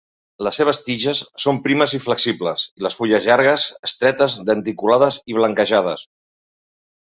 Les seves tiges són primes i flexibles i les fulles llargues, estretes, denticulades i blanquejades.